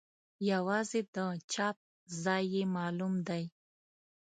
یوازې د چاپ ځای یې معلوم دی.